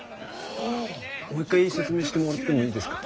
もう一回説明してもらってもいいですか？